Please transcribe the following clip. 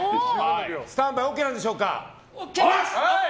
スタンバイＯＫでしょうか。